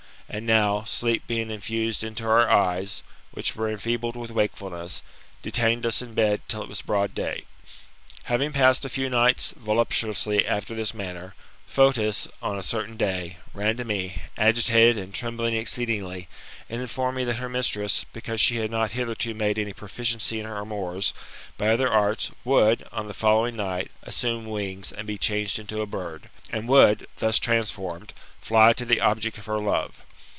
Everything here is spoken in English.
And now, sleep being infused into our eyes, which were enfeebled with wakefulness, detained us in bed till it was broad day. Having passed a few nights voluptuously after this manner, Fotis, on a certain day, ran to me, agitated and trembling exceedingly, and informed me that her mistress, because she had not hitherto made any proficiency in her amours, by other arts, would, on the following night, assume win^s, and be changed into a bird , and would, thus transformed, fly to the object of her love.